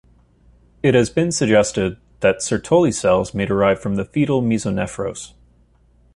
It has been suggested that Sertoli cells may derive from the fetal mesonephros.